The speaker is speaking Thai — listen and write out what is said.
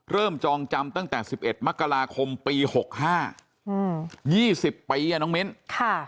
เริ่มจองจำตั้งแต่สิบเอ็ดมะกะลาคมปีหกห้าอืมยี่สิบปีอ่ะน้องเม้นค่ะ